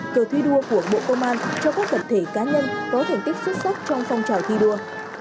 cờ thuy đua của bộ công an cho các cận thể cá nhân có thành tích xuất sắc trong phong trò thi đua